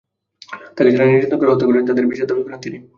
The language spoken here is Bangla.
তাঁকে যাঁরা নির্যাতন করে হত্যা করেছেন, তাঁদের বিচার দাবি করেন তিনি।